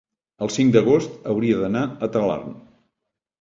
el cinc d'agost hauria d'anar a Talarn.